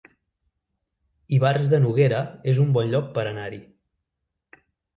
Ivars de Noguera es un bon lloc per anar-hi